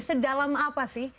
sedalam apa sih